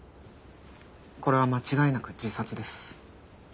これは間違いなく自殺です。